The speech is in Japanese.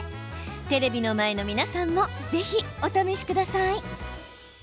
テレビの前の皆さんもぜひ、お試しください。